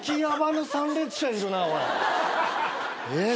えっ？